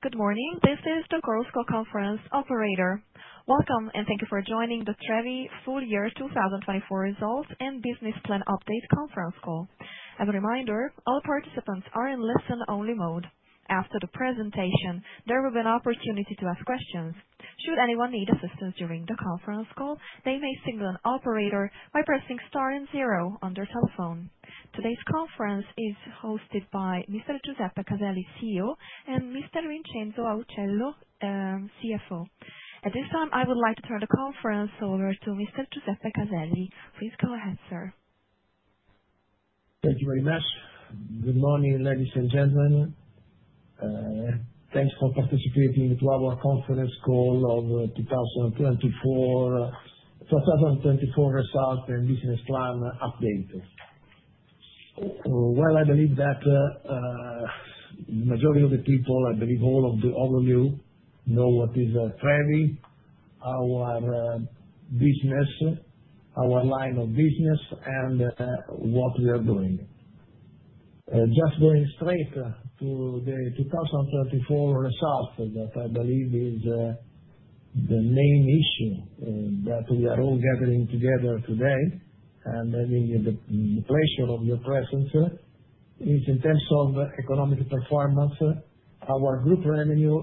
Good morning, this is the Chorus Call Conference operator. Welcome, and thank you for joining the Trevi full year 2024 results and business plan update conference call. As a reminder, all participants are in listen-only mode. After the presentation, there will be an opportunity to ask questions. Should anyone need assistance during the conference call, they may signal an operator by pressing star and zero on their telephone. Today's conference is hosted by Mr. Giuseppe Caselli, CEO, and Mr. Vincenzo Auciello, CFO. At this time, I would like to turn the conference over to Mr. Giuseppe Caselli. Please go ahead, sir. Thank you very much. Good morning, ladies and gentlemen. Thanks for participating in the Global Conference Call of 2024, 2024 results and business plan update. I believe that the majority of the people, I believe all of you, know what is TREVI, our business, our line of business, and what we are doing. Just going straight to the 2024 results that I believe is the main issue that we are all gathering together today, and I think the pleasure of your presence is in terms of economic performance. Our group revenue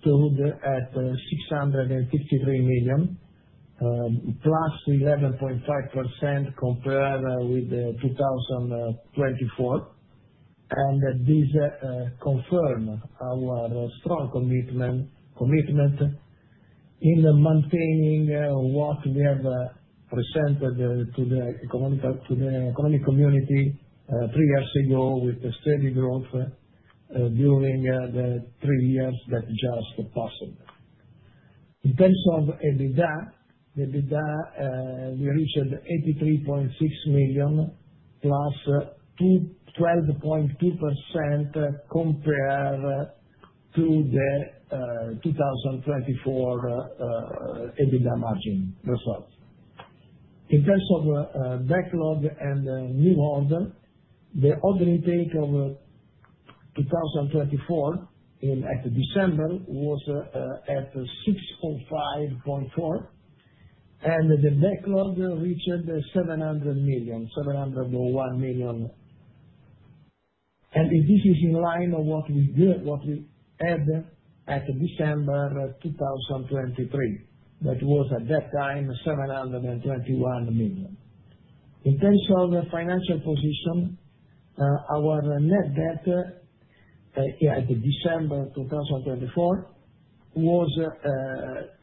stood at 653 million, plus 11.5% compared with 2024, and this confirms our strong commitment in maintaining what we have presented to the economic community three years ago with steady growth during the three years that just passed. In terms of EBITDA, we reached 83.6 million, plus 12.2% compared to the 2024 EBITDA margin results. In terms of backlog and new order, the order intake of 2024 at December was at 605.4 million, and the backlog reached 700 million, 701 million. This is in line with what we had at December 2023, that was at that time 721 million. In terms of financial position, our net debt at December 2024 was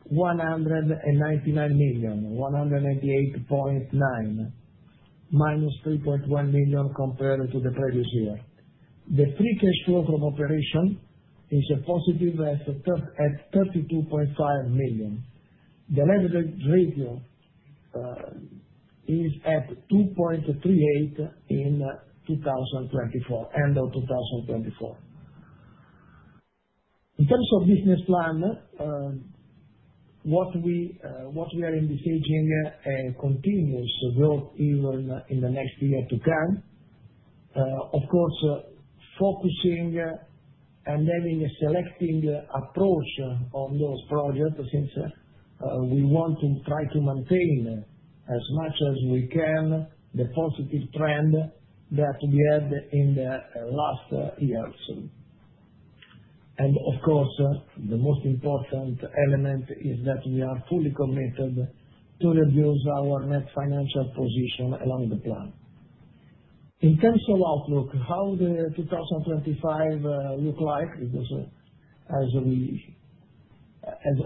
199 million, 198.9 million, minus 3.1 million compared to the previous year. The free cash flow from operation is positive at 32.5 million. The leverage ratio is at 2.38 at end of 2024. In terms of business plan, what we are envisaging continues to grow even in the next year to come. Of course, focusing and having a selective approach on those projects since we want to try to maintain as much as we can the positive trend that we had in the last years. Of course, the most important element is that we are fully committed to reduce our net financial position along the plan. In terms of outlook, how did 2025 look like? As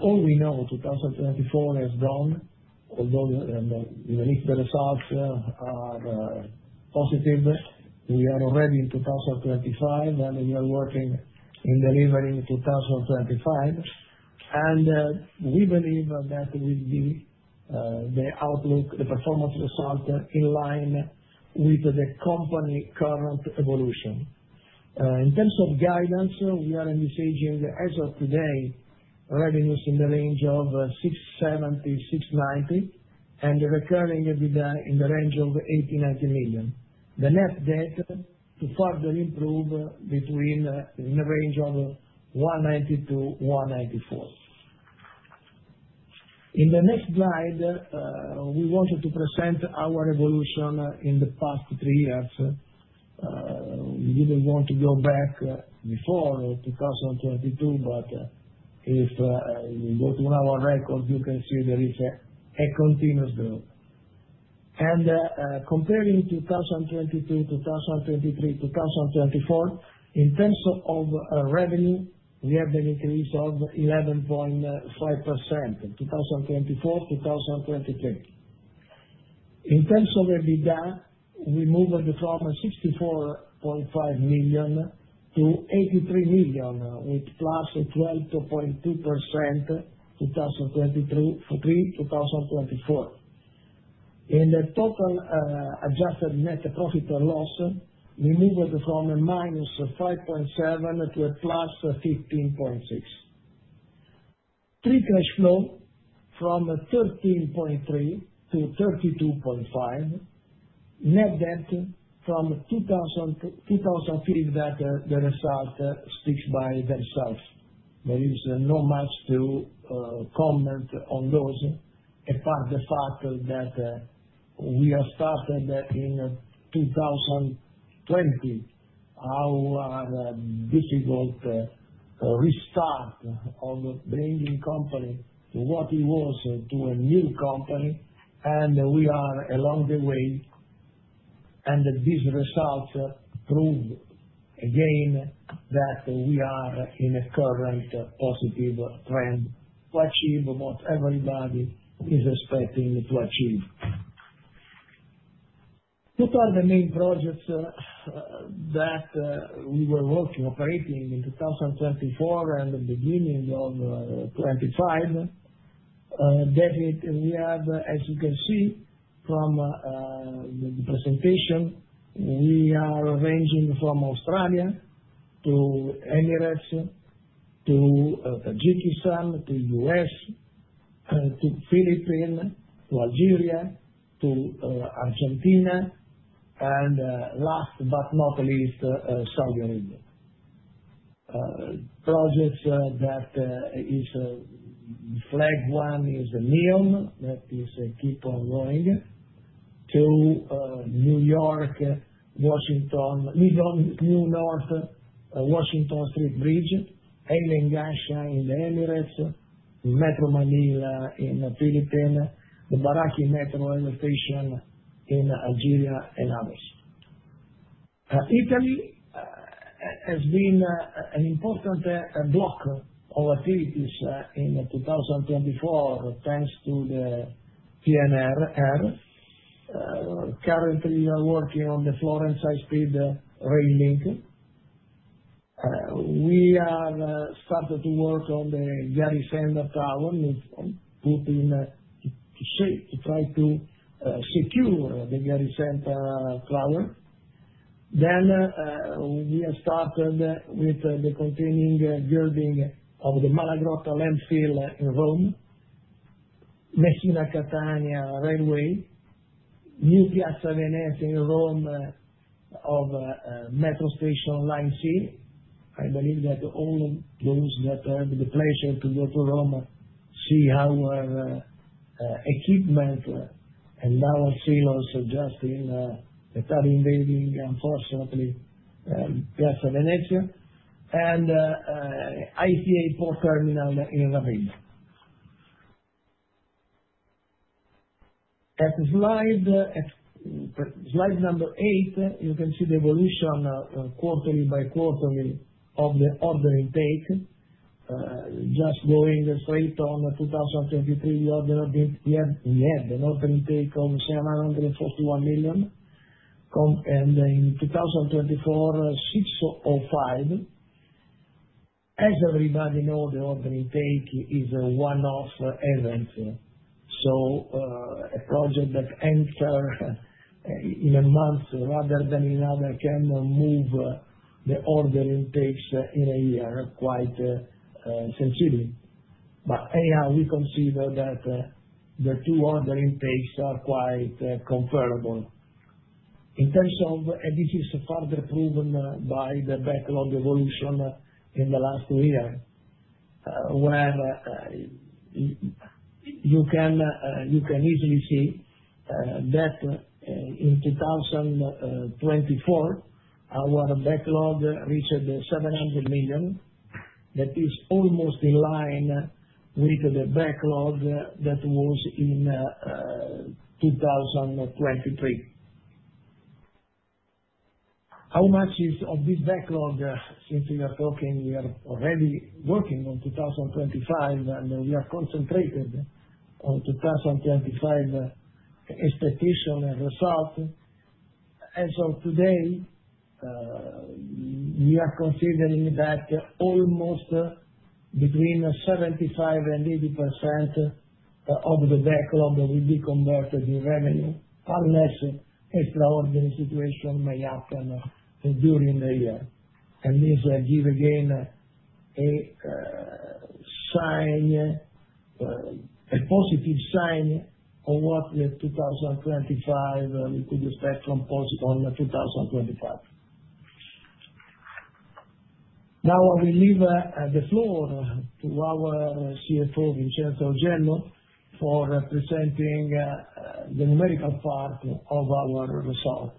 all we know, 2024 has gone, although if the results are positive, we are already in 2025 and we are working in delivering 2025. We believe that will be the outlook, the performance result in line with the company current evolution. In terms of guidance, we are envisaging as of today revenues in the range of 670 million-690 million, and recurring EBITDA in the range of 80 million-90 million. The net debt to further improve in the range of 190 million-194 million. In the next slide, we wanted to present our evolution in the past three years. We didn't want to go back before 2022, but if you go to our records, you can see there is a continuous growth. Comparing 2022, 2023, 2024, in terms of revenue, we have an increase of 11.5% in 2024, 2023. In terms of EBITDA, we moved from 64.5 million to 83 million with plus 12.2% in 2023, 2024. In the total adjusted net profit and loss, we moved from minus 5.7 million to plus 15.6 million. Free cash flow from 13.3 million to 32.5 million. Net debt from. Believe that the result speaks by itself. There is not much to comment on those apart from the fact that we have started in 2020 our difficult restart of bringing company to what it was to a new company, and we are along the way, and these results prove again that we are in a current positive trend to achieve what everybody is expecting to achieve. What are the main projects that we were working operating in 2024 and the beginning of 2025? We have, as you can see from the presentation, we are arranging from Australia to Emirates to Tajikistan to U.S. to Philippines to Algeria to Argentina and last but not least, Saudi Arabia. Projects that is flag one is NEOM that is keep on going. To New York, Washington, North Washington Street Bridge, Hail & Ghasha in the Emirates, Metro Manila in the Philippines, the Baraki Metro Station in Algeria, and others. has been an important block of activities in 2024 thanks to the PNRR. Currently, we are working on the Florence High-Speed Rail Link. We have started to work on the Garisenda Tower to try to secure the Garisenda Tower. We have started with the continuing building of the Malagrotta Landfill in Rome, Messina-Catania Railway, New Piazza Venezia in Rome of Metro Station Line C. I believe that all those that have the pleasure to go to Rome see our equipment and our silos just in that are invading, unfortunately, Piazza Venezia and ICA Port Terminal in Ravenna. At slide number eight, you can see the evolution quarterly by quarterly of the order intake. Just going straight on 2023, we had an order intake of 741 million. In 2024, 605 million. As everybody knows, the order intake is a one-off event. A project that enters in a month rather than another can move the order intakes in a year quite sensibly. We consider that the two order intakes are quite comparable. In terms of, and this is further proven by the backlog evolution in the last two years, you can easily see that in 2024, our backlog reached 700 million. That is almost in line with the backlog that was in 2023. How much is of this backlog since we are talking, we are already working on 2025, and we are concentrated on 2025 expectation and result. As of today, we are considering that almost between 75% and 80% of the backlog will be converted in revenue, unless extraordinary situation may happen during the year. This gives again a positive sign of what 2025 we could expect on 2025. Now I will leave the floor to our CFO, Vincenzo Auciello, for presenting the numerical part of our result.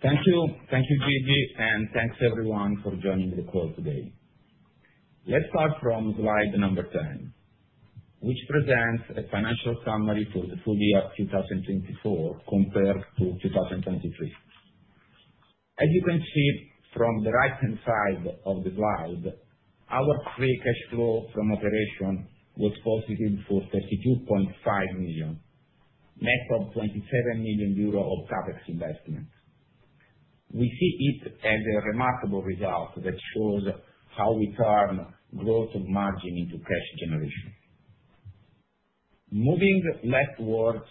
Thank you. Thank you, Gigi, and thanks everyone for joining the call today. Let's start from slide number 10, which presents a financial summary for the full year 2024 compared to 2023. As you can see from the right-hand side of the slide, our free cash flow from operation was positive for 32.5 million, net of 27 million euro of CapEx investment. We see it as a remarkable result that shows how we turn growth of margin into cash generation. Moving leftwards,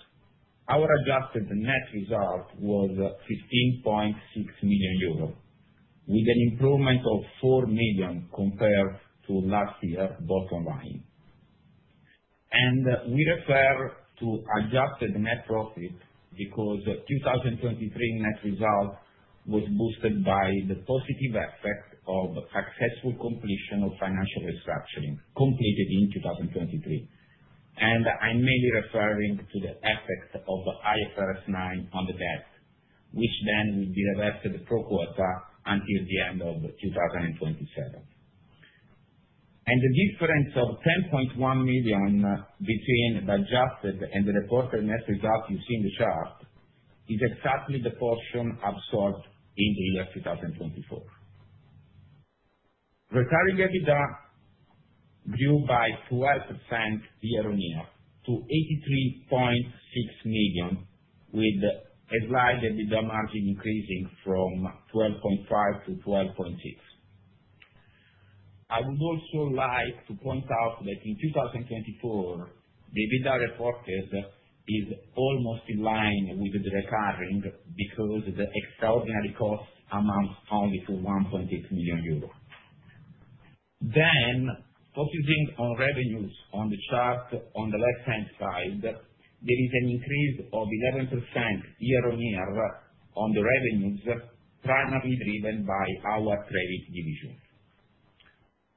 our adjusted net result was 15.6 million euros, with an improvement of 4 million compared to last year bottom line. We refer to adjusted net profit because 2023 net result was boosted by the positive effect of successful completion of financial restructuring completed in 2023. I'm mainly referring to the effect of IFRS 9 on the debt, which then will be reversed pro quota until the end of 2027. The difference of 10.1 million between the adjusted and the reported net result you see in the chart is exactly the portion absorbed in the year 2024. Recurring EBITDA grew by 12% year on year to 83.6 million, with slide EBITDA margin increasing from 12.5% to 12.6%. I would also like to point out that in 2024, the EBITDA reported is almost in line with the recurring because the extraordinary cost amounts only to 1.8 million euros. Focusing on revenues on the chart on the left-hand side, there is an increase of 11% year on year on the revenues, primarily driven by our Trevi division.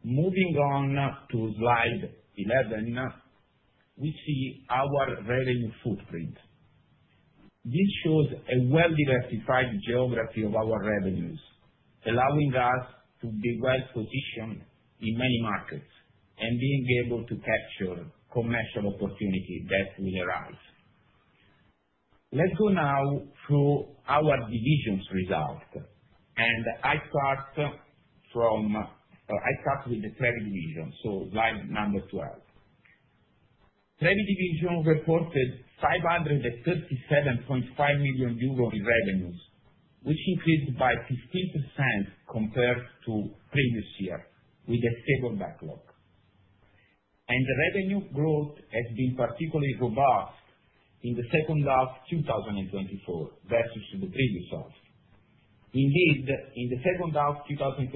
Moving on to slide 11, we see our revenue footprint. This shows a well-diversified geography of our revenues, allowing us to be well-positioned in many markets and being able to capture commercial opportunity that will arise. Let's go now through our divisions result, and I start with the Trevi division, so slide number 12. Trevi division reported 537.5 million euros in revenues, which increased by 15% compared to previous year, with a stable backlog. The revenue growth has been particularly robust in the second half 2024 versus the previous half. Indeed, in the second half 2024,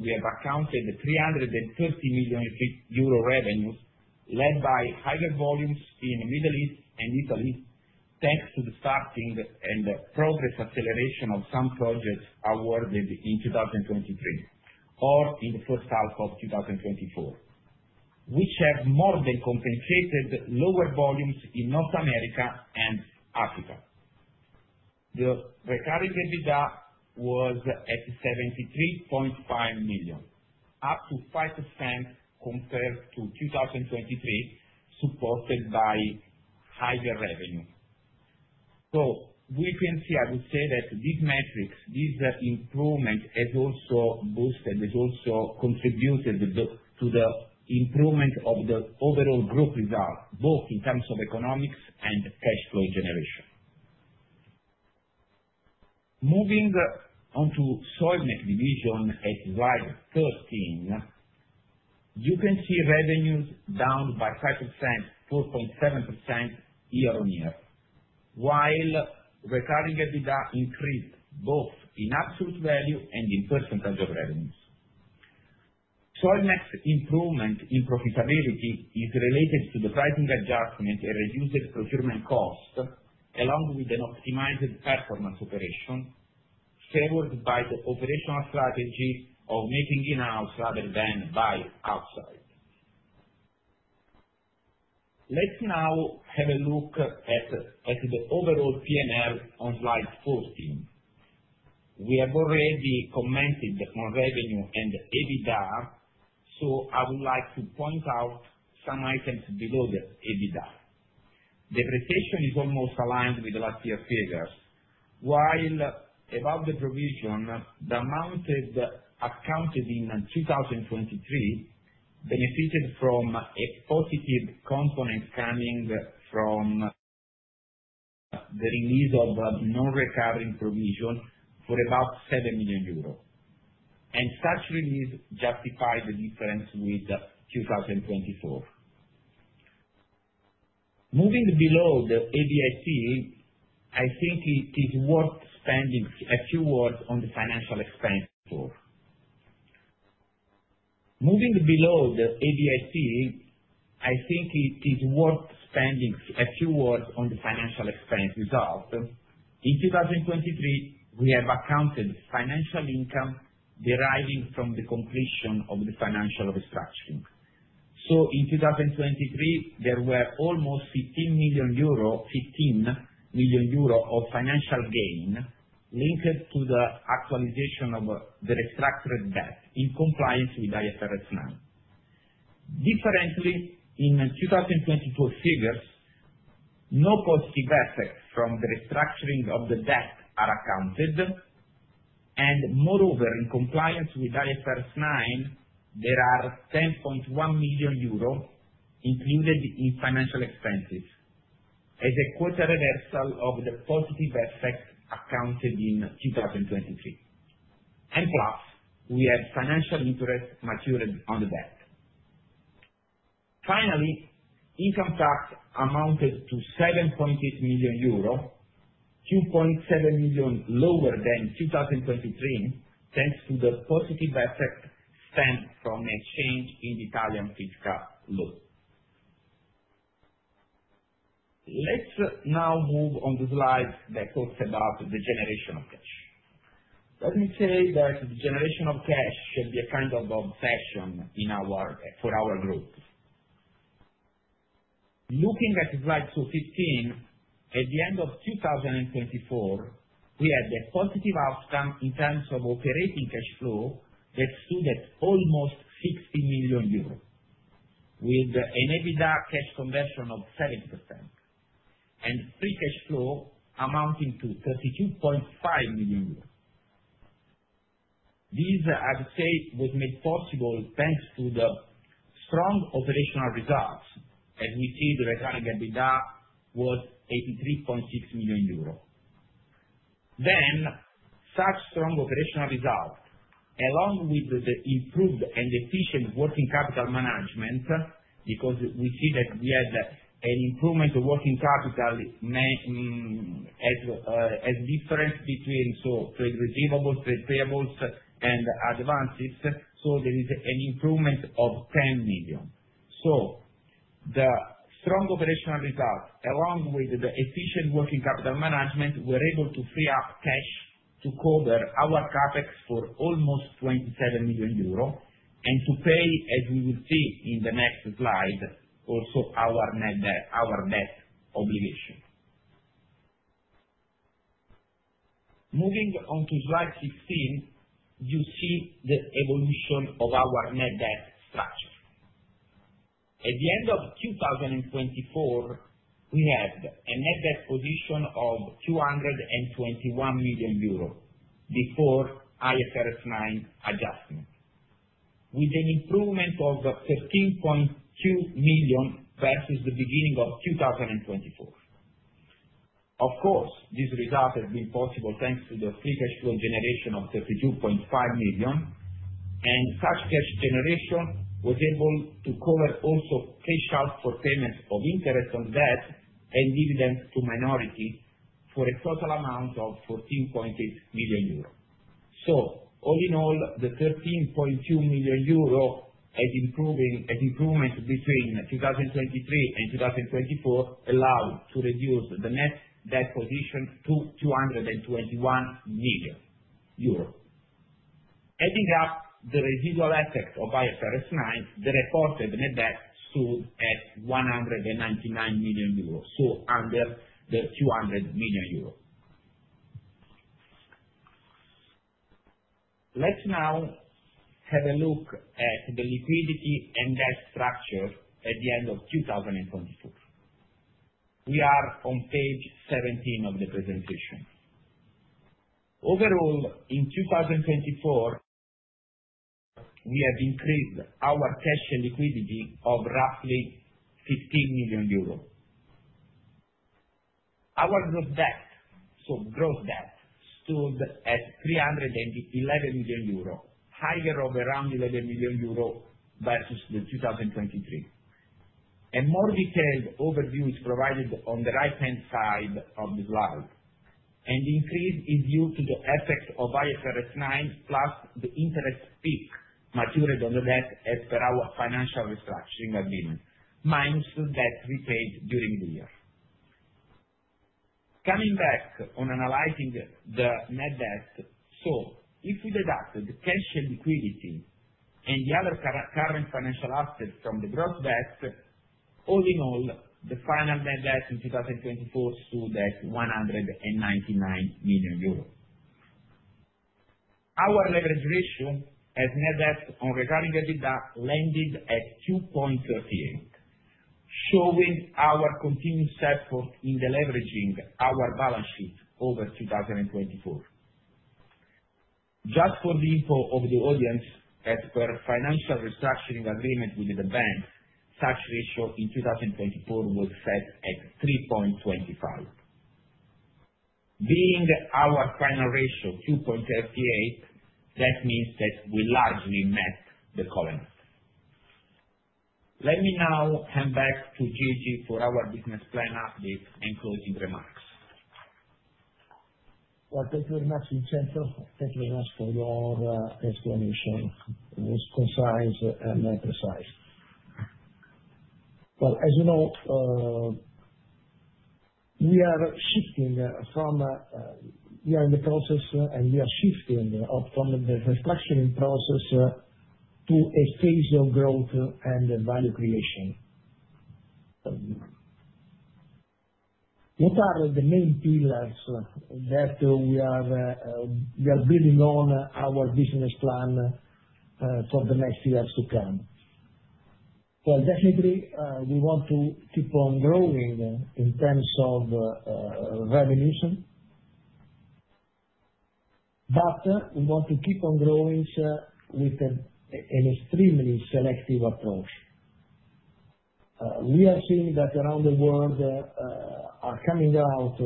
we have accounted 330 million euro revenues led by higher volumes in the Middle East and Italy thanks to the starting and progress acceleration of some projects awarded in 2023 or in the first half of 2024, which have more than compensated lower volumes in North America and Africa. The recurring EBITDA was at 73.5 million, up 5% compared to 2023, supported by higher revenue. I would say that this metric, this improvement has also boosted, has also contributed to the improvement of the overall group result, both in terms of economics and cash flow generation. Moving on to Soilmec division at slide 13, you can see revenues down by 5%, 4.7% year on year, while recurring EBITDA increased both in absolute value and in percentage of revenues. Soilmec improvement in profitability is related to the pricing adjustment and reduced procurement cost, along with an optimized performance operation favored by the operational strategy of making in-house rather than buy outside. Let's now have a look at the overall PNRR on slide 14. We have already commented on revenue and EBITDA, so I would like to point out some items below the EBITDA. The presentation is almost aligned with last year's figures, while above the provision, the amount accounted in 2023 benefited from a positive component coming from the release of non-recurring provision for about 7 million euros. Such release justified the difference with 2024. Moving below the EBITDA, I think it is worth spending a few words on the financial expense result. In 2023, we have accounted financial income deriving from the completion of the financial restructuring. In 2023, there were almost 15 million euro of financial gain linked to the actualization of the restructured debt in compliance with IFRS 9. Differently, in 2022 figures, no positive effects from the restructuring of the debt are accounted. Moreover, in compliance with IFRS 9, there are 10.1 million euros included in financial expenses as a quarter reversal of the positive effect accounted in 2023. Plus, we have financial interest matured on the debt. Finally, income tax amounted to 7.8 million euro, 2.7 million lower than 2023 thanks to the positive effect stemmed from an exchange in the Italian fiscal loop. Let's now move on to slides that talk about the generation of cash. Let me say that the generation of cash should be a kind of obsession for our group. Looking at slide 215, at the end of 2024, we had a positive outcome in terms of operating cash flow that stood at almost 60 million euros, with an EBITDA cash conversion of 7% and free cash flow amounting to EUR 32.5 million. This, I would say, was made possible thanks to the strong operational results, as we see the recurring EBITDA was 83.6 million euro. Such strong operational results, along with the improved and efficient working capital management, because we see that we had an improvement of working capital as difference between trade receivables, trade payables, and advances, so there is an improvement of 10 million. The strong operational results, along with the efficient working capital management, were able to free up cash to cover our CapEx for almost 27 million euro and to pay, as we will see in the next slide, also our net debt obligation. Moving on to slide 16, you see the evolution of our net debt structure. At the end of 2024, we had a net debt position of 221 million euros before IFRS 9 adjustment, with an improvement of 13.2 million versus the beginning of 2024. Of course, this result has been possible thanks to the free cash flow generation of 32.5 million, and such cash generation was able to cover also cash out for payments of interest on debt and dividends to minority for a total amount of 14.8 million euros. All in all, the 13.2 million euros as improvement between 2023 and 2024 allowed to reduce the net debt position to 221 million euros. Adding up the residual effect of IFRS 9, the reported net debt stood at 199 million euros, under the 200 million euros. Let's now have a look at the liquidity and debt structure at the end of 2024. We are on page 17 of the presentation. Overall, in 2024, we have increased our cash and liquidity of roughly EUR 15 million. Our gross debt, so gross debt, stood at 311 million euro, higher of around 11 million euro versus 2023. A more detailed overview is provided on the right-hand side of the slide. The increase is due to the effect of IFRS 9 plus the interest peak matured on the debt as per our financial restructuring agreement, minus the debt repaid during the year. Coming back on analyzing the net debt, so if we deduct the cash and liquidity and the other current financial assets from the gross debt, all in all, the final net debt in 2024 stood at 199 million euros. Our leverage ratio as net debt on recurring EBITDA landed at 2.38, showing our continued support in the leveraging our balance sheet over 2024. Just for the info of the audience, as per financial restructuring agreement with the bank, such ratio in 2024 was set at 3.25. Being our final ratio 2.38, that means that we largely met the covenant. Let me now hand back to Gigi for our business plan update and closing remarks. Thank you very much, Vincenzo. Thank you very much for your explanation. It was concise and precise. As you know, we are shifting from, we are in the process, and we are shifting from the restructuring process to a phase of growth and value creation. What are the main pillars that we are building on our business plan for the next years to come? Definitely, we want to keep on growing in terms of revenues, but we want to keep on growing with an extremely selective approach. We are seeing that around the world are coming out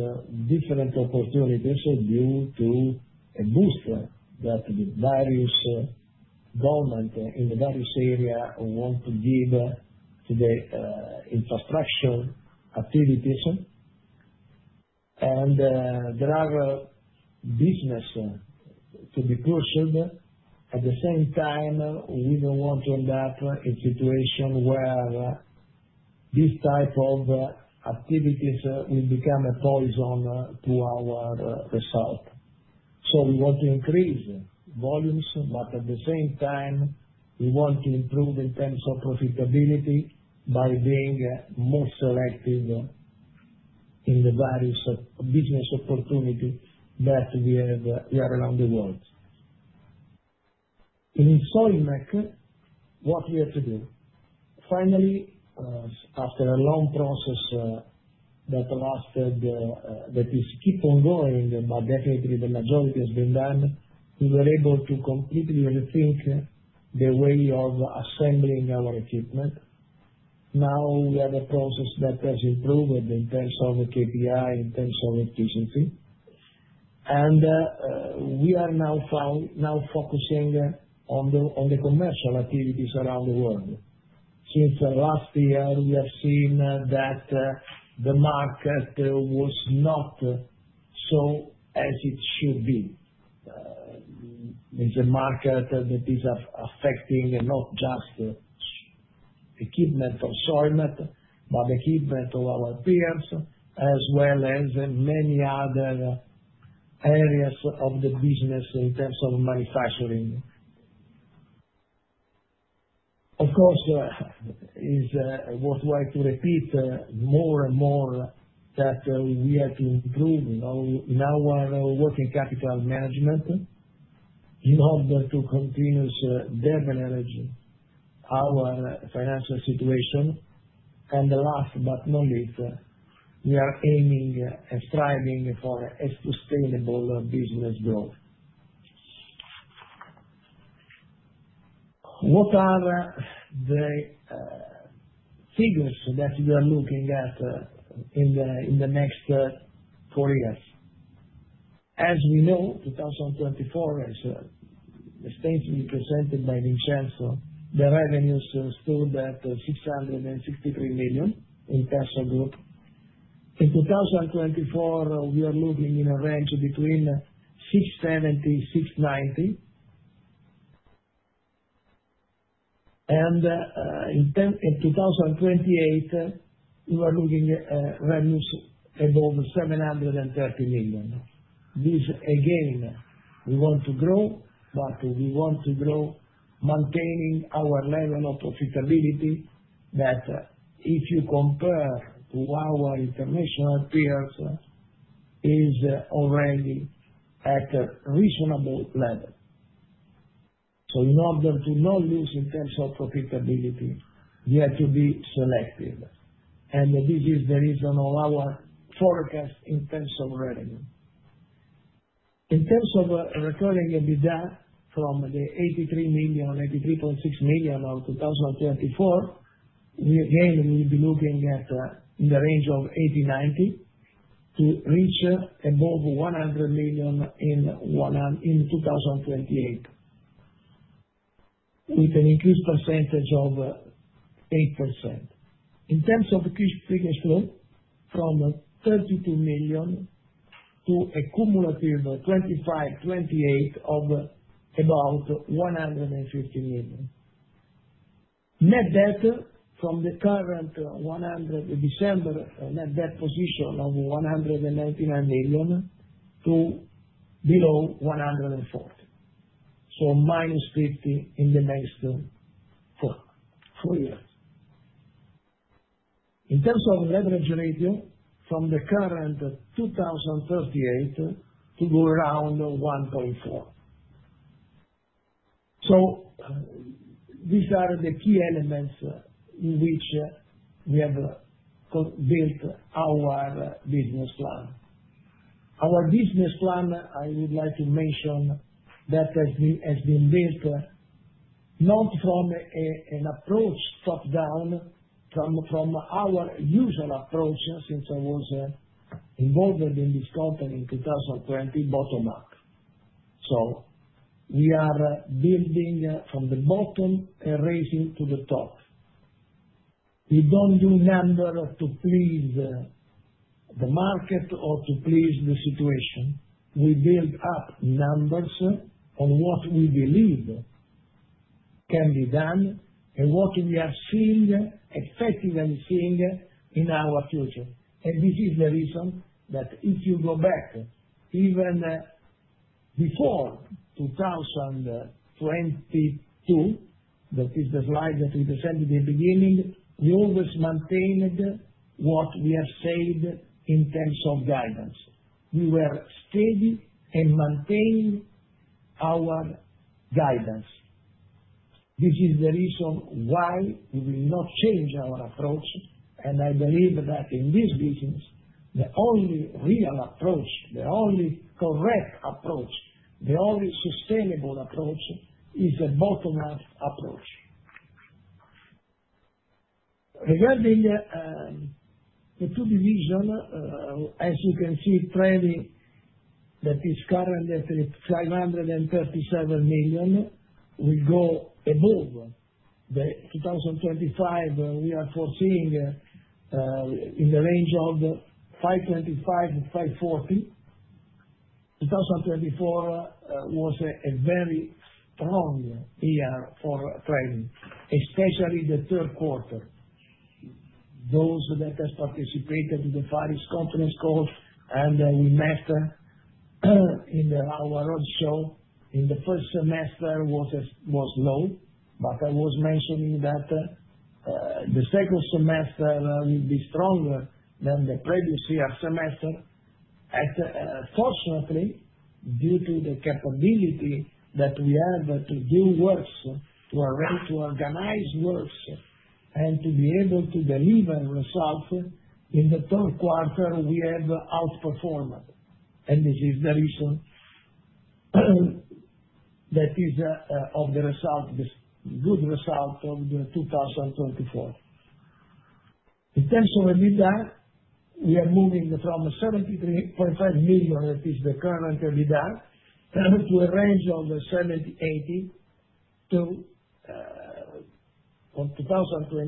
different opportunities due to a boost that the various government in the various areas want to give to the infrastructure activities. There are businesses to be pursued. At the same time, we do not want to end up in a situation where this type of activities will become a poison to our result. We want to increase volumes, but at the same time, we want to improve in terms of profitability by being more selective in the various business opportunities that we have around the world. In Soilmec, what we have to do, finally, after a long process that lasted, that is, keeps on going, but definitely the majority has been done, we were able to completely rethink the way of assembling our equipment. Now we have a process that has improved in terms of KPI, in terms of efficiency. We are now focusing on the commercial activities around the world. Since last year, we have seen that the market was not so as it should be. It's a market that is affecting not just equipment of Soilmec, but the equipment of our peers, as well as many other areas of the business in terms of manufacturing. Of course, it's worthwhile to repeat more and more that we have to improve in our working capital management in order to continue to leverage our financial situation. Last but not least, we are aiming and striving for a sustainable business growth. What are the figures that we are looking at in the next four years? As we know, 2024 is, as stated, presented by Vincenzo, the revenues stood at 663 million in the Trevi Group. In 2024, we are looking in a range between 670-690 million. In 2028, we are looking at revenues above 730 million. This, again, we want to grow, but we want to grow, maintaining our level of profitability that, if you compare to our international peers, is already at a reasonable level. In order to not lose in terms of profitability, we have to be selective. This is the reason of our forecast in terms of revenue. In terms of recurring EBITDA from the 83.6 million of 2024, we again will be looking at the range of 80-90 million to reach above 100 million in 2028, with an increased percentage of 8%. In terms of free cash flow, from 32 million to a cumulative 2025-2028 of about 150 million. Net debt from the current December net debt position of 199 million to below 140 million, so minus 50 million in the next four years. In terms of leverage ratio, from the current 2.38 to go around 1.4. These are the key elements in which we have built our business plan. Our business plan, I would like to mention, has been built not from an approach top-down, from our usual approach since I was involved in this company in 2020, bottom-up. We are building from the bottom and raising to the top. We do not do numbers to please the market or to please the situation. We build up numbers on what we believe can be done and what we are seeing, effectively seeing in our future. This is the reason that if you go back even before 2022, that is the slide that we presented in the beginning, we always maintained what we have said in terms of guidance. We were steady in maintaining our guidance. This is the reason why we will not change our approach. I believe that in this business, the only real approach, the only correct approach, the only sustainable approach is a bottom-up approach. Regarding the two divisions, as you can see, Trevi that is currently at 537 million, we go above the 2025. We are foreseeing in the range of 525-540 million. 2024 was a very strong year for Trevi, especially the third quarter. Those that have participated in the Far East Conference call and we met in our roadshow in the first semester was low, but I was mentioning that the second semester will be stronger than the previous year semester, fortunately due to the capability that we have to do works, to organize works, and to be able to deliver results. In the third quarter, we have outperformed. This is the reason that is of the result, the good result of 2024. In terms of EBITDA, we are moving from 73.5 million, that is the current EBITDA, to a range of EUR 70-80 million. To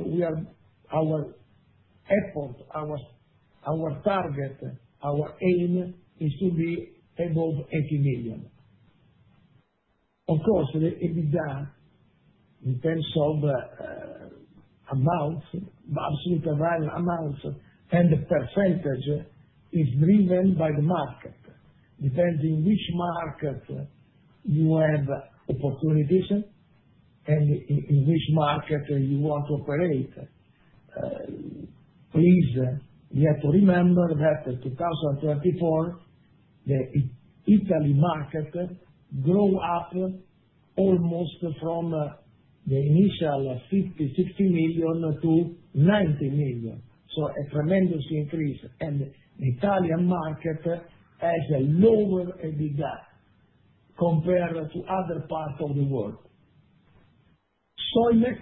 2028, our effort, our target, our aim is to be above 80 million. Of course, EBITDA in terms of amount, absolute amount, and percentage is driven by the market, depending which market you have opportunities and in which market you want to operate. Please, we have to remember that in 2024, the Italy market grew up almost from the initial 50-60 million to 90 million. A tremendous increase. The Italian market has a lower EBITDA compared to other parts of the world. Soilmec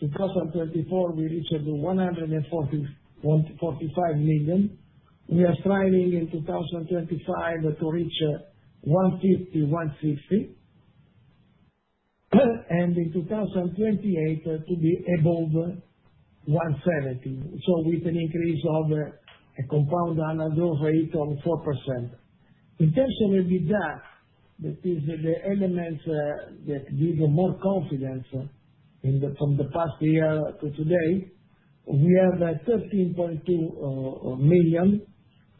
2024, we reached 145 million. We are striving in 2025 to reach 150-160 million. In 2028, to be above 170 million. With an increase of a compound annual growth rate of 4%. In terms of EBITDA, that is the elements that give more confidence from the past year to today. We have 13.2 million.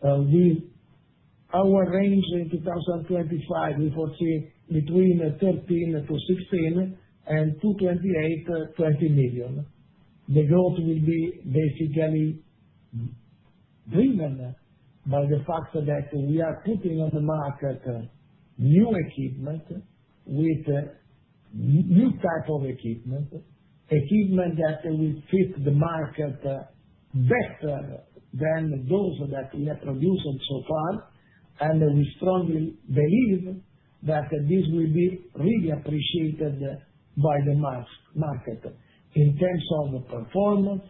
Our range in 2025, we foresee between 13-16 million and in 2028, 20 million. The growth will be basically driven by the fact that we are putting on the market new equipment with new types of equipment, equipment that will fit the market better than those that we have produced so far. We strongly believe that this will be really appreciated by the market in terms of performance,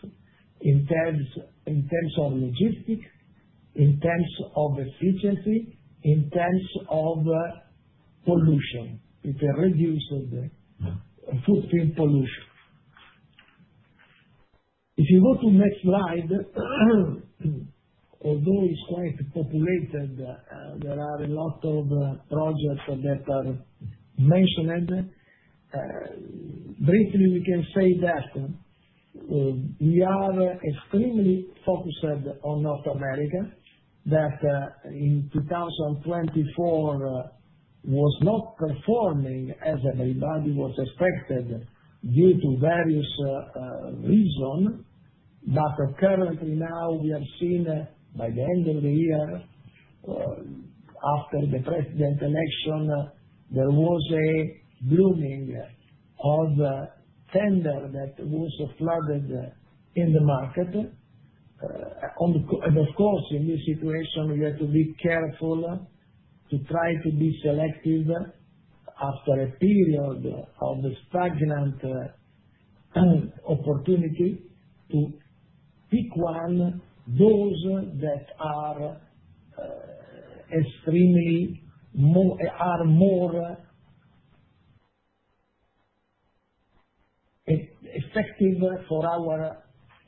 in terms of logistics, in terms of efficiency, in terms of pollution, if it reduces the footprint pollution. If you go to the next slide, although it is quite populated, there are a lot of projects that are mentioned. Briefly, we can say that we are extremely focused on North America that in 2024 was not performing as everybody was expected due to various reasons. Currently now, we have seen by the end of the year, after the presidential election, there was a blooming of tender that was flooded in the market. Of course, in this situation, we have to be careful to try to be selective after a period of stagnant opportunity to pick one those that are extremely more effective for our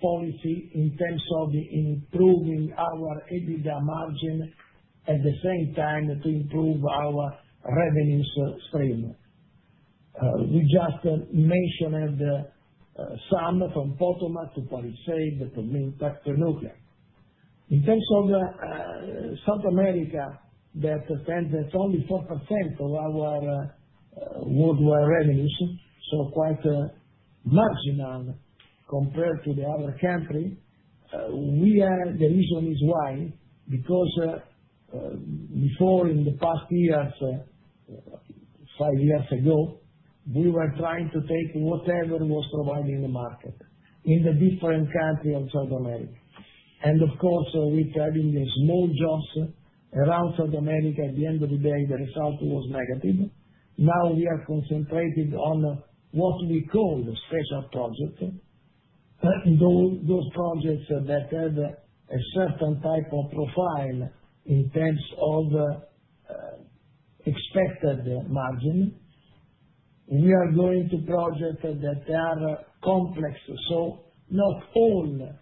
policy in terms of improving our EBITDA margin at the same time to improve our revenues stream. We just mentioned some from Potomac to Palisades to MINTEX to NUCA. In terms of South America, that stands at only 4% of our worldwide revenues, so quite marginal compared to the other countries. The reason is why, because before in the past years, five years ago, we were trying to take whatever was providing the market in the different countries outside of America. Of course, with having small jobs around South America, at the end of the day, the result was negative. Now we are concentrated on what we call special projects. Those projects that have a certain type of profile in terms of expected margin. We are going to project that they are complex, so not all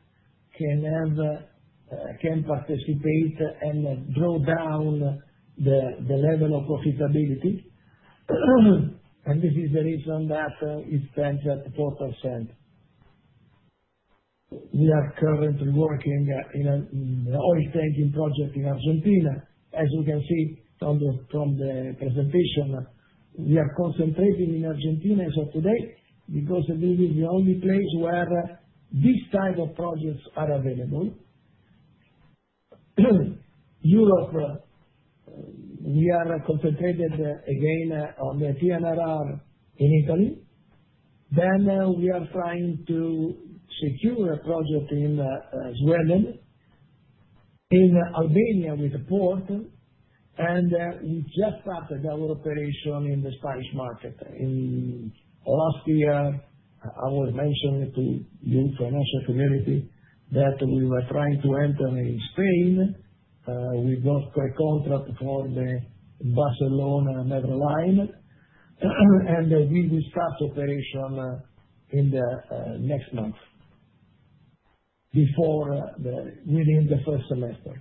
can participate and draw down the level of profitability. This is the reason that it stands at 4%. We are currently working in an oil tanking project in Argentina. As you can see from the presentation, we are concentrating in Argentina as of today because this is the only place where these types of projects are available. Europe, we are concentrated again on the PNRR in Italy. We are trying to secure a project in Sweden, in Albania with a port. We just started our operation in the Spanish market. Last year, I was mentioning to you, financial community, that we were trying to enter in Spain. We got a contract for the Barcelona Metroline. We will start operation in the next month, before, within the first semester.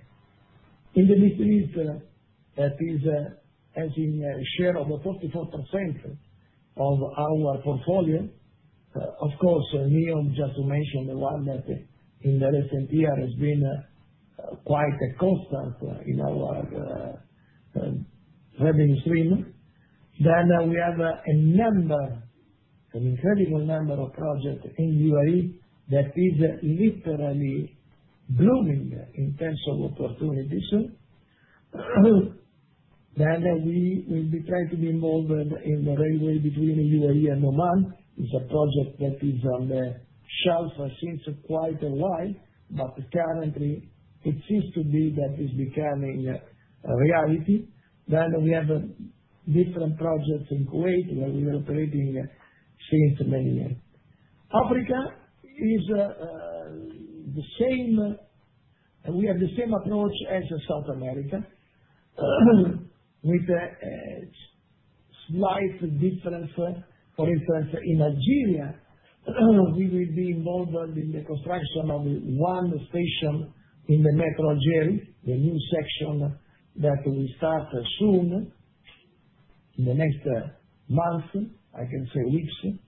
In the Middle East, that is, as in a share of 44% of our portfolio. Of course, NEOM, just to mention the one that in the recent year has been quite a constant in our revenue stream. We have an incredible number of projects in UAE that is literally blooming in terms of opportunities. We will be trying to be involved in the railway between UAE and Oman. It's a project that is on the shelf since quite a while, but currently, it seems to be that it's becoming a reality. We have different projects in Kuwait where we are operating since many years. Africa is the same. We have the same approach as South America with a slight difference. For instance, in Algeria, we will be involved in the construction of one station in the Metro Algiers, the new section that we start soon in the next month, I can say weeks.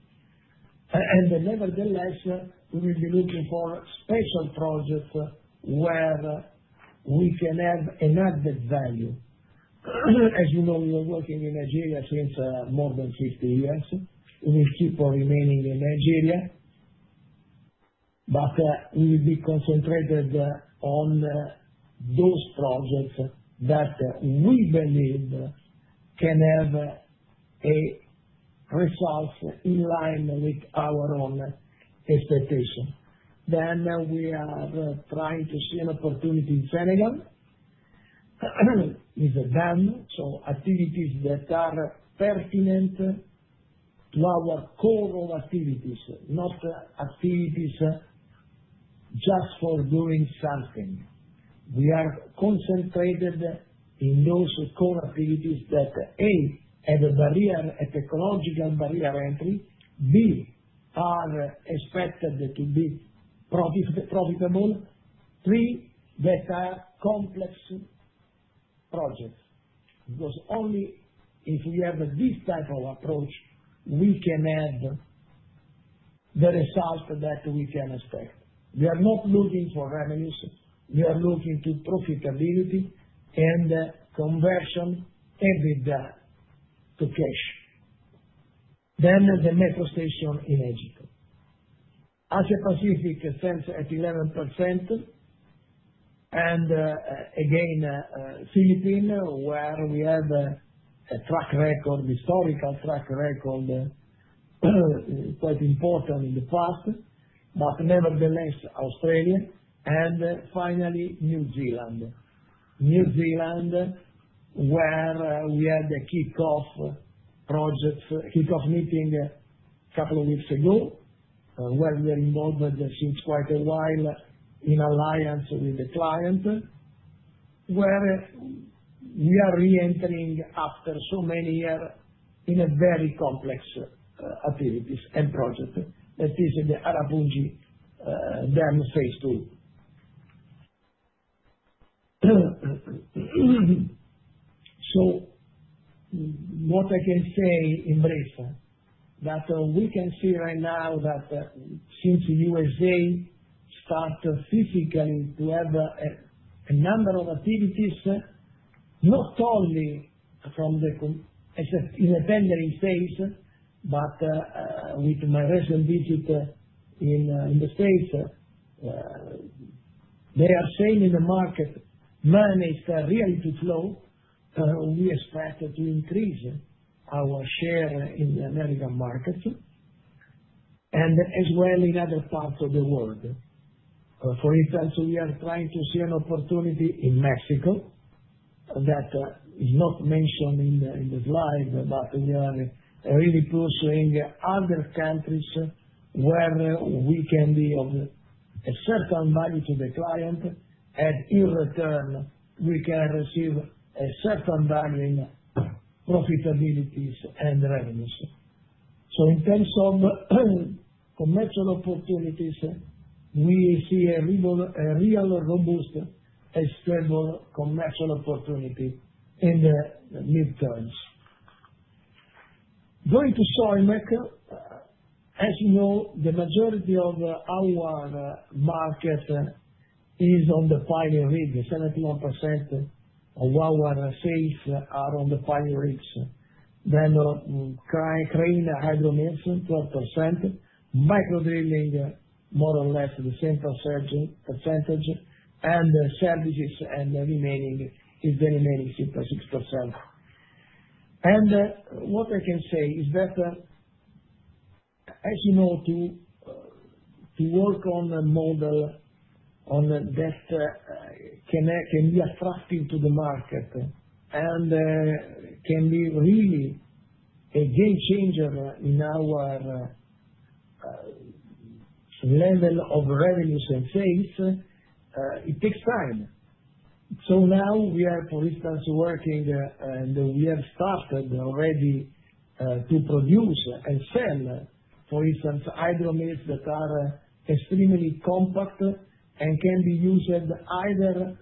Nevertheless, we will be looking for special projects where we can have an added value. As you know, we are working in Algeria since more than 50 years. We will keep remaining in Algeria, but we will be concentrated on those projects that we believe can have a result in line with our own expectation. We are trying to see an opportunity in Senegal. It's a dam, so activities that are pertinent to our core activities, not activities just for doing something. We are concentrated in those core activities that, A, have a barrier, a technological barrier entry, B, are expected to be profitable, C, that are complex projects. Because only if we have this type of approach, we can have the result that we can expect. We are not looking for revenues. We are looking to profitability and conversion EBITDA to cash. The metro station in Egypt. Asia-Pacific stands at 11%. Again, Philippines where we have a track record, historical track record, quite important in the past, but nevertheless, Australia. Finally, New Zealand. New Zealand where we had a kickoff project, kickoff meeting a couple of weeks ago where we are involved since quite a while in alliance with the client where we are re-entering after so many years in very complex activities and project. That is the Arapuni Dam Phase II. What I can say in brief, that we can see right now that since the U.S.A. started physically to have a number of activities, not only from the independent space, but with my recent visit in the States, they are saying in the market, managed really to flow, we expect to increase our share in the American market and as well in other parts of the world. For instance, we are trying to see an opportunity in Mexico that is not mentioned in the slide, but we are really pursuing other countries where we can be of a certain value to the client, and in return, we can receive a certain value in profitabilities and revenues. In terms of commercial opportunities, we see a real robust and stable commercial opportunity in the midterms. Going to Soilmec, as you know, the majority of our market is on the piling rigs. 71% of our sales are on the piling rigs. Then crane hydromill, 12%. Micro-drilling, more or less the same percentage. Services and remaining is the remaining 6%. What I can say is that, as you know, to work on a model that can be attractive to the market and can be really a game changer in our level of revenues and sales, it takes time. We are, for instance, working, and we have started already to produce and sell, for instance, hydromills that are extremely compact and can be used either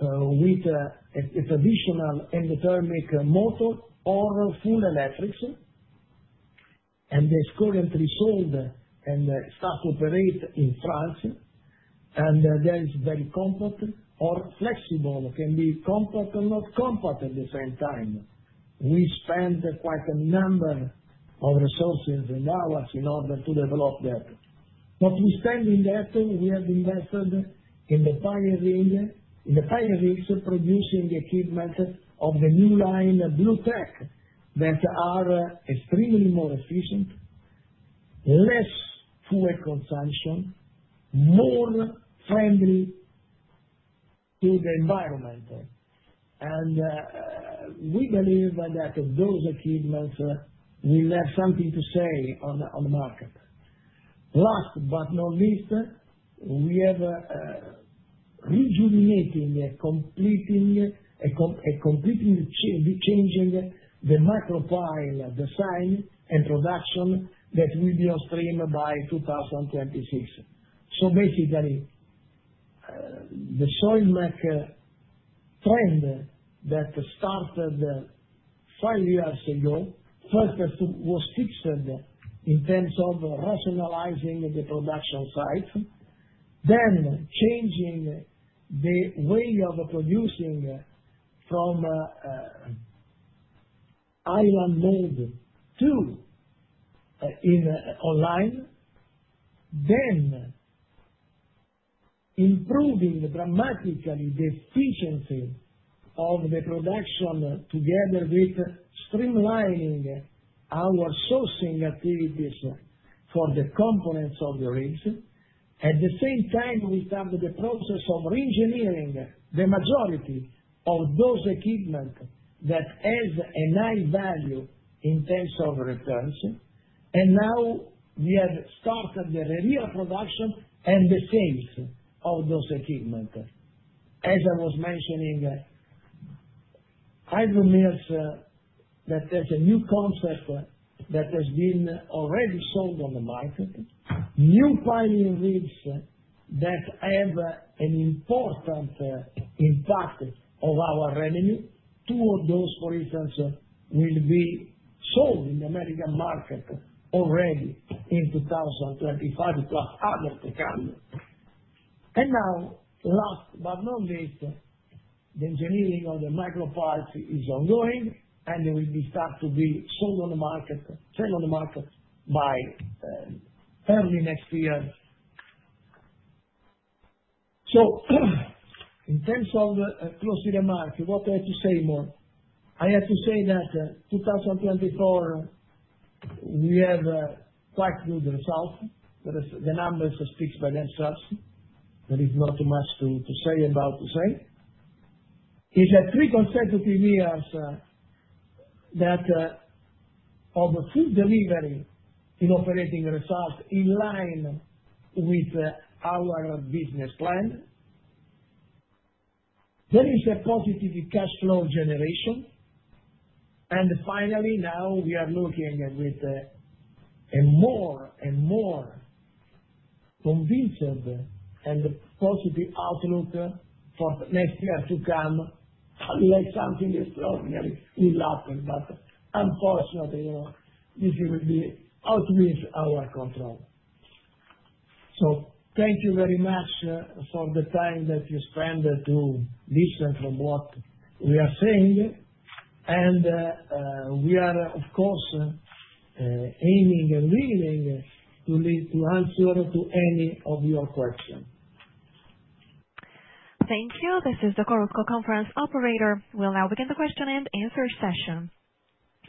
with a traditional endothermic motor or full electrics. They are currently sold and start to operate in France. That is very compact or flexible, can be compact or not compact at the same time. We spend quite a number of resources and hours in order to develop that. We stand in that we have invested in the piling producing the equipment of the new line Blue Tech that are extremely more efficient, less fuel consumption, more friendly to the environment. We believe that those equipments will have something to say on the market. Last but not least, we have rejuvenating and completely changing the micropile design and production that will be on stream by 2026. Basically, the Soilmec trend that started five years ago first was fixed in terms of rationalizing the production site, then changing the way of producing from island mode to online, then improving dramatically the efficiency of the production together with streamlining our sourcing activities for the components of the rigs. At the same time, we started the process of re-engineering the majority of those equipment that has a high value in terms of returns. Now we have started the real production and the sales of those equipment. As I was mentioning, hydromills that has a new concept that has been already sold on the market, new piling rigs that have an important impact of our revenue. Two of those, for instance, will be sold in the American market already in 2025 plus other technologies. Last but not least, the engineering of the micropiles is ongoing, and they will be starting to be sold on the market by early next year. In terms of closing the market, what do I have to say more? I have to say that 2024, we have quite good results. The numbers speak for themselves. There is not too much to say. It is three consecutive years of full delivery in operating result in line with our business plan. There is a positive cash flow generation. Finally, now we are looking with a more and more convinced and positive outlook for next year to come. Like something extraordinary will happen, but unfortunately, this will be out of our control. Thank you very much for the time that you spend to listen to what we are saying. We are, of course, aiming and willing to answer to any of your questions. Thank you. This is the conference operator. We'll now begin the question and answer session.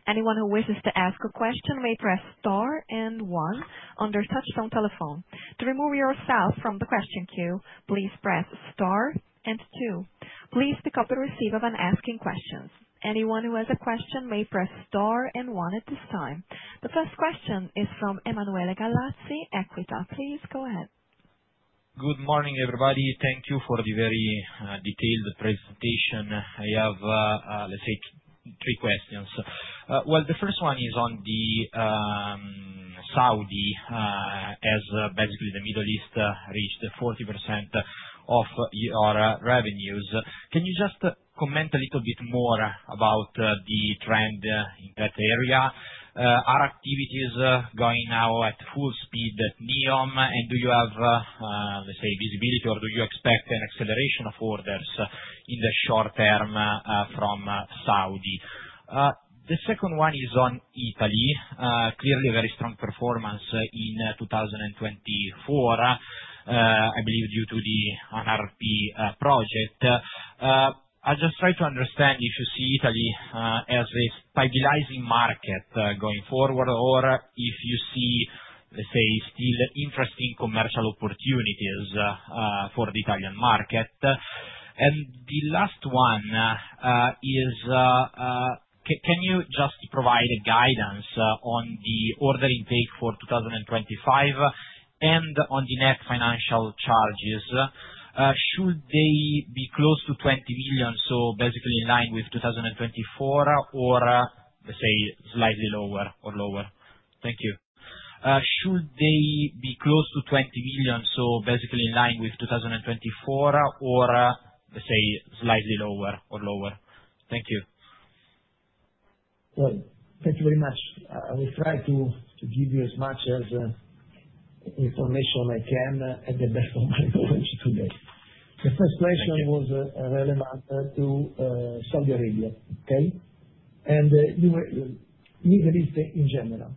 Anyone who wishes to ask a question may press star and one on their touch-tone telephone. To remove yourself from the question queue, please press star and two. Please pick up the receiver when asking questions. Anyone who has a question may press star and one at this time. The first question is from Emanuele Gallazzi, EQUITA. Please go ahead. Good morning, everybody. Thank you for the very detailed presentation. I have, let's say, three questions. The first one is on the Saudi, as basically the Middle East reached 40% of your revenues. Can you just comment a little bit more about the trend in that area? Are activities going now at full speed at NEOM, and do you have, let's say, visibility, or do you expect an acceleration of orders in the short term from Saudi? The second one is on Italy. Clearly, a very strong performance in 2024, I believe, due to the NRP project. I just try to understand if you see Italy as a stabilizing market going forward, or if you see, let's say, still interesting commercial opportunities for the Italian market. The last one is, can you just provide a guidance on the order intake for 2025 and on the net financial charges? Should they be close to 20 million, so basically in line with 2024, or, let's say, slightly lower or lower? Thank you. Should they be close to 20 million, so basically in line with 2024, or, let's say, slightly lower or lower? Thank you. Thank you very much. I will try to give you as much information as I can at the best of my knowledge today. The first question was relevant to Saudi Arabia, okay? And Middle East in general.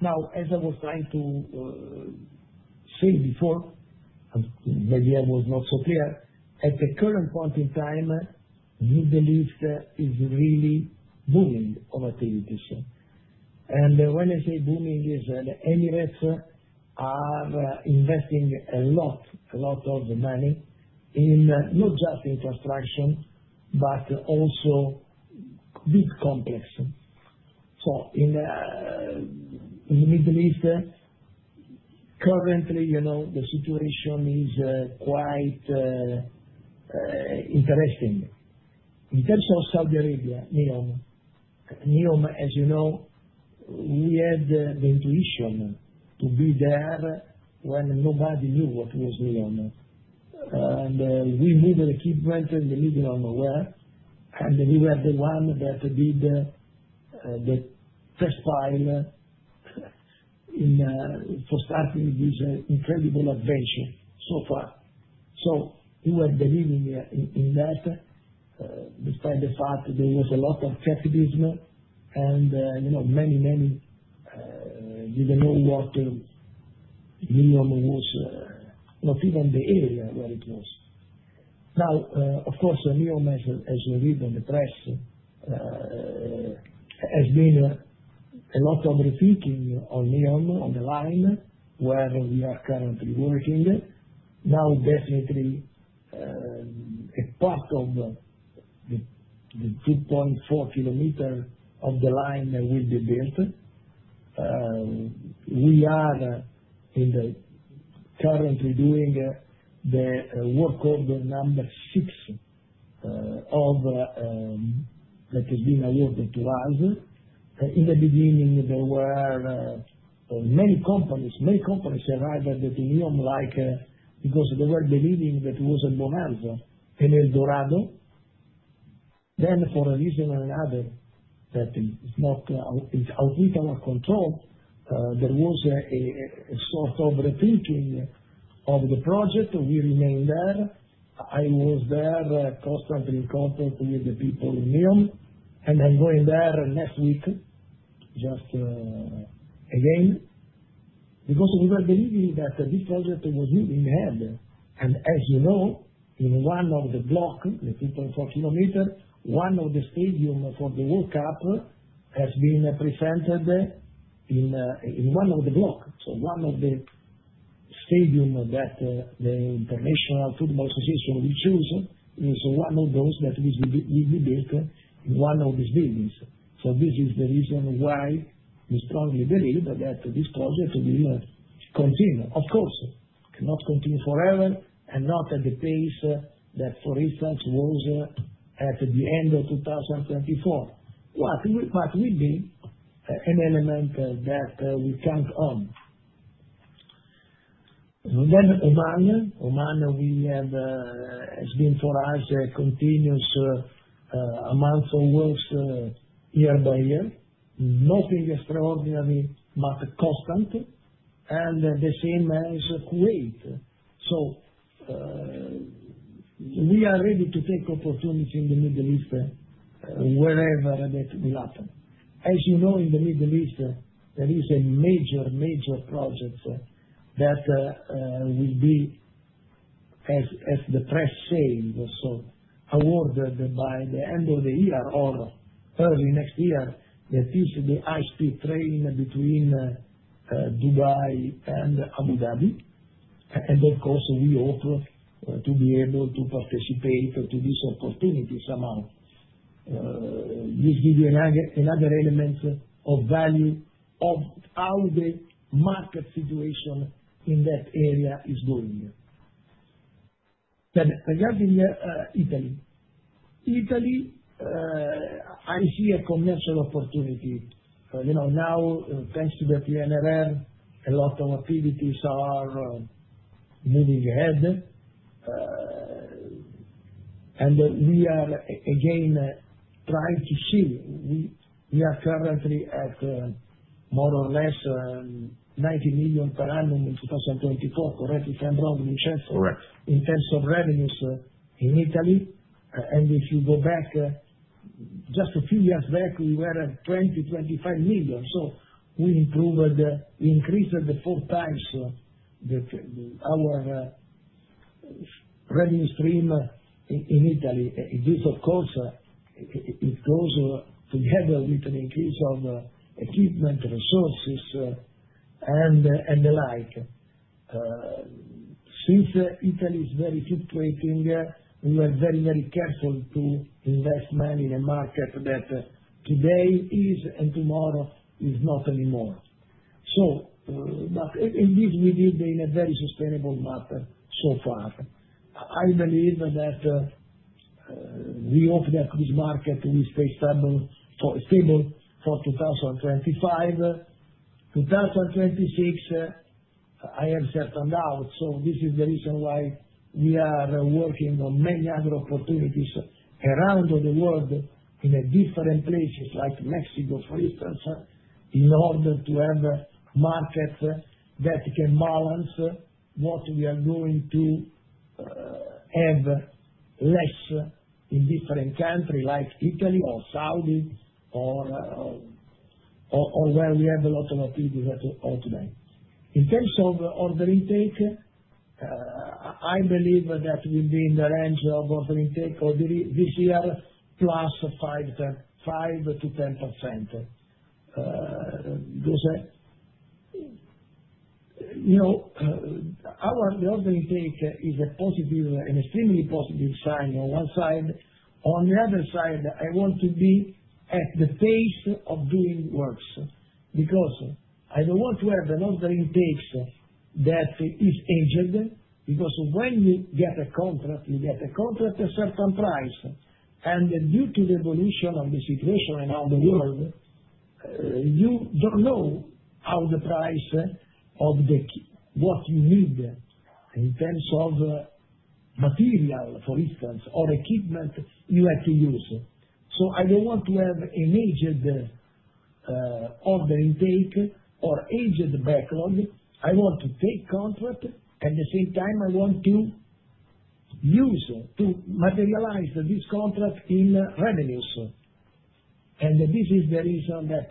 Now, as I was trying to say before, maybe I was not so clear, at the current point in time, Middle East is really booming with activities. When I say booming, it is that Emirates are investing a lot of money in not just infrastructure, but also big complexes. In the Middle East, currently, the situation is quite interesting. In terms of Saudi Arabia, NEOM, NEOM, as you know, we had the intuition to be there when nobody knew what was NEOM. We moved the equipment in the middle of nowhere, and we were the ones that did the test pile for starting this incredible adventure so far. We were believing in that, despite the fact that there was a lot of pessimism and many, many didn't know what NEOM was, not even the area where it was. Now, of course, NEOM, as you read in the press, has been a lot of rethinking on NEOM on the line where we are currently working. Now, definitely, a part of the 2.4 km of the line will be built. We are currently doing the work order number six that has been awarded to us. In the beginning, there were many companies that arrived at NEOM because they were believing that it was a bonanza in El Dorado. For a reason or another, it's out of our control, there was a sort of rethinking of the project. We remained there. I was there constantly in contact with the people in NEOM. I'm going there next week just again because we were believing that this project was moving ahead. As you know, in one of the blocks, the 2.4 kilometers, one of the stadiums for the World Cup has been presented in one of the blocks. One of the stadiums that the International Football Association will choose is one of those that will be built in one of these buildings. This is the reason why we strongly believe that this project will continue. Of course, it cannot continue forever and not at the pace that, for instance, was at the end of 2024. We need an element that we count on. Oman, Oman has been for us a continuous amount of works year by year. Nothing extraordinary, but constant. The same as Kuwait. We are ready to take opportunities in the Middle East wherever that will happen. As you know, in the Middle East, there is a major, major project that will be, as the press says, awarded by the end of the year or early next year, that is the high-speed train between Dubai and Abu Dhabi. Of course, we hope to be able to participate to this opportunity somehow. This gives you another element of value of how the market situation in that area is going. Regarding Italy, Italy, I see a commercial opportunity. Now, thanks to the PNRR, a lot of activities are moving ahead. We are again trying to see. We are currently at more or less 90 million per annum in 2024, correct if I'm wrong, Vincenzo? Correct. In terms of revenues in Italy. If you go back just a few years back, we were at 20 million-25 million. We improved, we increased four times our revenue stream in Italy. This, of course, goes together with an increase of equipment, resources, and the like. Since Italy is very fluctuating, we were very, very careful to invest money in a market that today is and tomorrow is not anymore. At least we did in a very sustainable manner so far. I believe that we hope that this market will stay stable for 2025. 2026, I am certain now. This is the reason why we are working on many other opportunities around the world in different places like Mexico, for instance, in order to have markets that can balance what we are going to have less in different countries like Italy or Saudi or where we have a lot of activities today. In terms of order intake, I believe that we'll be in the range of order intake this year plus 5-10%. Our order intake is a positive, an extremely positive sign on one side. On the other side, I want to be at the pace of doing works because I don't want to have an order intake that is aged. Because when you get a contract, you get a contract at a certain price. Due to the evolution of the situation around the world, you do not know how the price of what you need in terms of material, for instance, or equipment you have to use. I do not want to have an aged order intake or aged backlog. I want to take contract. At the same time, I want to use to materialize this contract in revenues. This is the reason that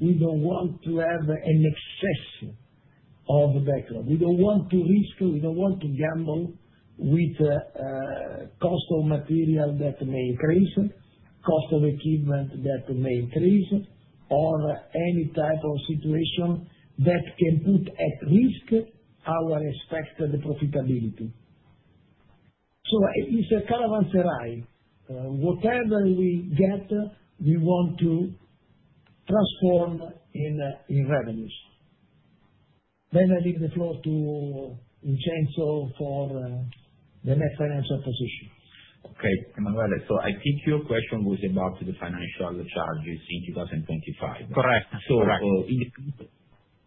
we do not want to have an excess of backlog. We do not want to risk. We do not want to gamble with the cost of material that may increase, cost of equipment that may increase, or any type of situation that can put at risk our expected profitability. It is a caravanserai. Whatever we get, we want to transform in revenues. I leave the floor to Vincenzo for the net financial position. Okay, Emanuele. I think your question was about the financial charges in 2025. Correct.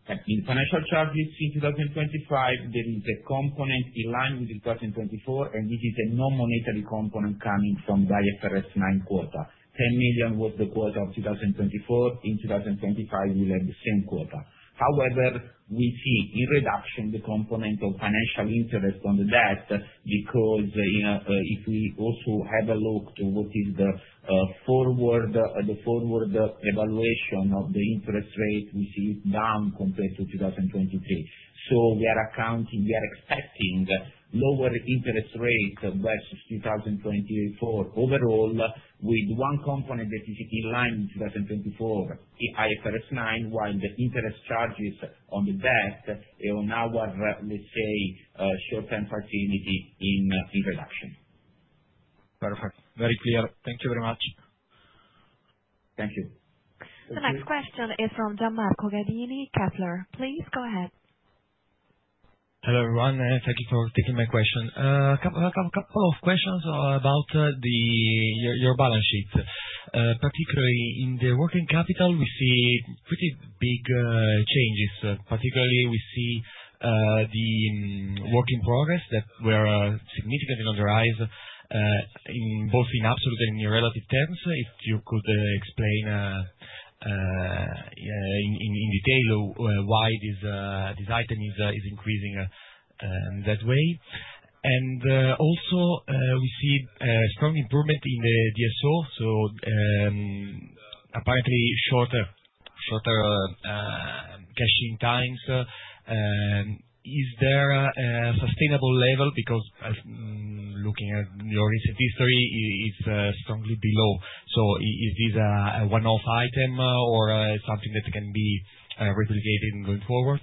In financial charges in 2025, there is a component in line with 2024, and it is a non-monetary component coming from the IFRS 9 quota. 10 million was the quota of 2024. In 2025, we'll have the same quota. However, we see in reduction the component of financial interest on the debt because if we also have a look to what is the forward evaluation of the interest rate, we see it down compared to 2023. We are accounting, we are expecting lower interest rates versus 2024. Overall, with one component that is in line with 2024, the IFRS 9, while the interest charges on the debt are on our, let's say, short-term facility in reduction. Perfect. Very clear. Thank you very much. Thank you. The next question is from Gian Marco Gadini Kepler. Please go ahead. Hello everyone. Thank you for taking my question. A couple of questions about your balance sheet. Particularly in the working capital, we see pretty big changes. Particularly, we see the work in progress that were significantly on the rise both in absolute and in relative terms. If you could explain in detail why this item is increasing that way. Also, we see a strong improvement in the DSO. Apparently, shorter cashing times. Is there a sustainable level? Because looking at your recent history, it is strongly below. Is this a one-off item or something that can be replicated going forward?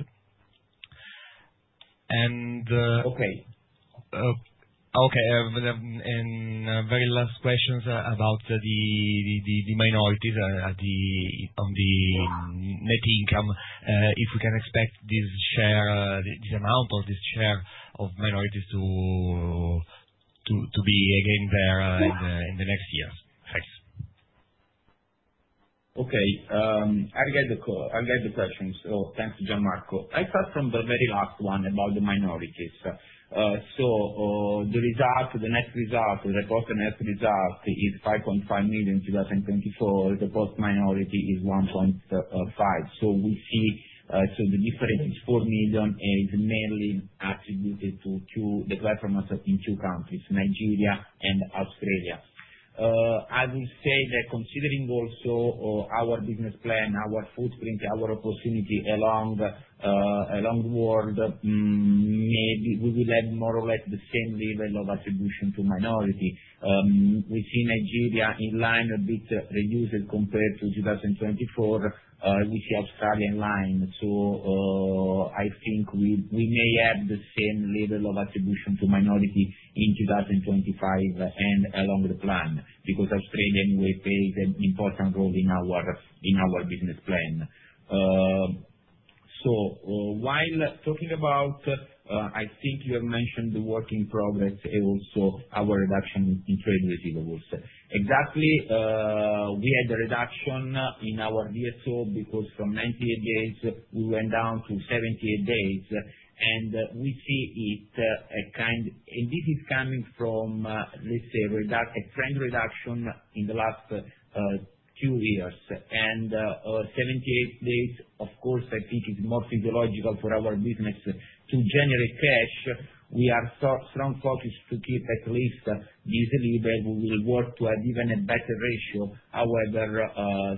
Very last questions about the minorities on the net income. If we can expect this amount or this share of minorities to be again there in the next years. Thanks. Okay. I'll get the questions. Thanks, Gianmarco. I start from the very last one about the minorities. The result, the net result, the reported net result is 5.5 million in 2024. The post-minority is 1.5 million. We see the difference is 4 million, mainly attributed to the performance in two countries, Nigeria and Australia. I will say that considering also our business plan, our footprint, our opportunity along the world, maybe we will have more or less the same level of attribution to minority. We see Nigeria in line, a bit reduced compared to 2024. We see Australia in line. I think we may have the same level of attribution to minority in 2025 and along the plan because Australia anyway plays an important role in our business plan. While talking about, I think you have mentioned the work in progress and also our reduction in trade receivables. Exactly, we had a reduction in our DSO because from 98 days, we went down to 78 days. We see it a kind, and this is coming from, let's say, a trend reduction in the last two years. Seventy-eight days, of course, I think it's more physiological for our business to generate cash. We are strong focused to keep at least this level that we will work to have even a better ratio. However,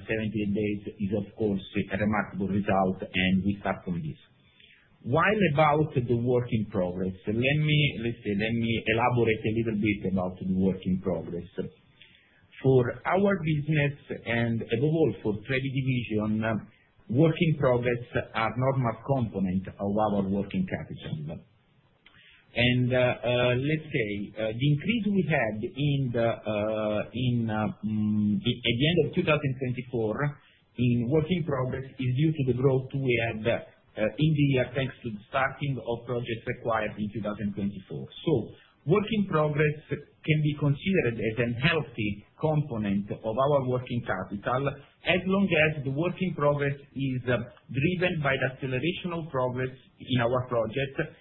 78 days is, of course, a remarkable result, and we start from this. While about the work in progress, let me elaborate a little bit about the work in progress. For our business and above all for Trevi Division, work in progress are a normal component of our working capital. The increase we had at the end of 2024 in work in progress is due to the growth we had in the year thanks to the starting of projects acquired in 2024. Work in progress can be considered as a healthy component of our working capital as long as the work in progress is driven by the acceleration of progress in our project.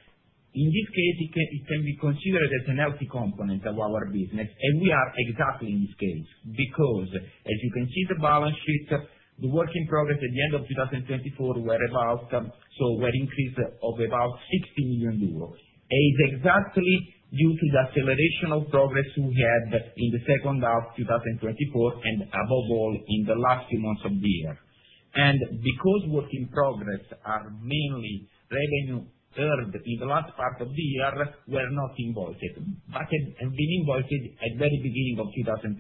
In this case, it can be considered as a healthy component of our business. We are exactly in this case because, as you can see in the balance sheet, the work in progress at the end of 2024 was about, we had an increase of about 60 million euros. It is exactly due to the acceleration of progress we had in the second half of 2024 and above all in the last few months of the year. Because work in progress are mainly revenue earned in the last part of the year, we are not invoiced, but have been invoiced at the very beginning of 2025.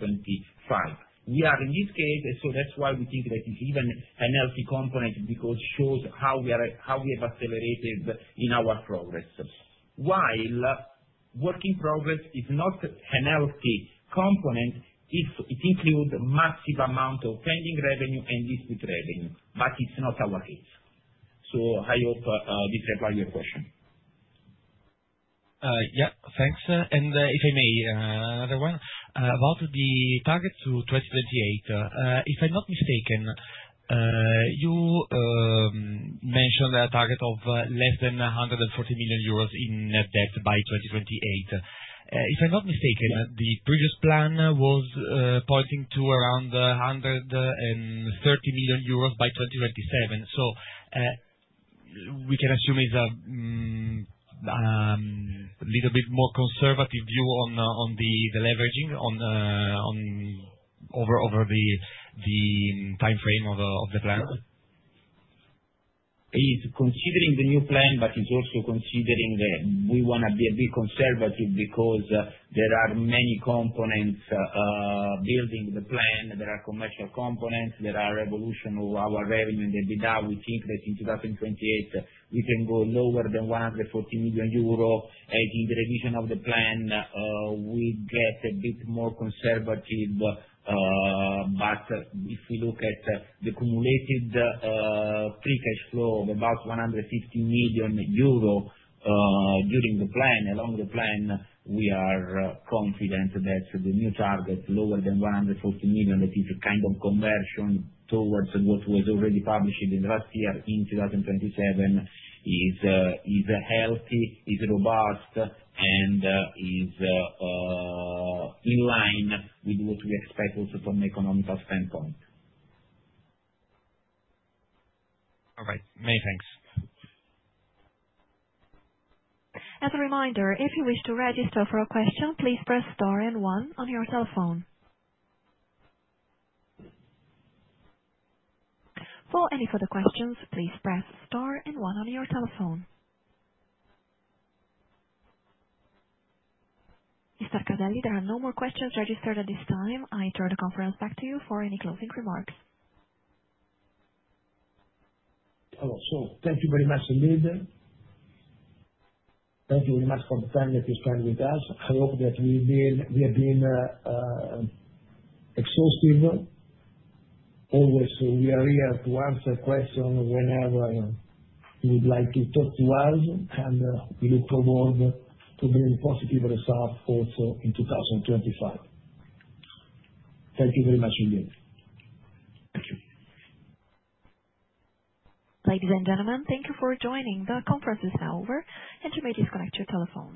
We are in this case, so that is why we think that it is even a healthy component because it shows how we have accelerated in our progress. While work in progress is not a healthy component if it includes a massive amount of pending revenue and disputed revenue, it is not our case. I hope this replies to your question. Yep. Thanks. If I may, another one about the target to 2028. If I am not mistaken, you mentioned a target of less than 140 million euros in net debt by 2028. If I am not mistaken, the previous plan was pointing to around 130 million euros by 2027. We can assume it's a little bit more conservative view on the leveraging over the timeframe of the plan. It's considering the new plan, but it's also considering that we want to be a bit conservative because there are many components building the plan. There are commercial components. There are evolution of our revenue. With that, we think that in 2028, we can go lower than 140 million euros. In the revision of the plan, we get a bit more conservative. If we look at the cumulated free cash flow of about 150 million euro during the plan, along the plan, we are confident that the new target, lower than 140 million, that is a kind of conversion towards what was already published in the last year in 2027, is healthy, is robust, and is in line with what we expect also from an economical standpoint. All right. Many thanks. As a reminder, if you wish to register for a question, please press star and one on your cell phone. For any further questions, please press star and one on your cell phone. Mr. Caselli, there are no more questions registered at this time. I turn the conference back to you for any closing remarks. Hello. Thank you very much, Liz. Thank you very much for the time that you spent with us. I hope that we have been exhaustive. Always, we are here to answer questions whenever you would like to talk to us. We look forward to bring positive results also in 2025. Thank you very much again. Thank you. Ladies and gentlemen, thank you for joining the conferences now. Intermediate is going to turn your cell phone.